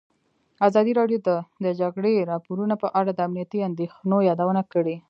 ازادي راډیو د د جګړې راپورونه په اړه د امنیتي اندېښنو یادونه کړې.